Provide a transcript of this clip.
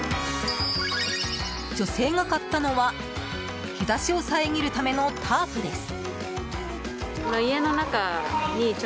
女性が買ったのは日差しを遮るためのタープです。